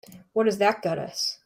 What does that get us?